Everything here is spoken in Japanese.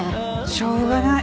しょうがない。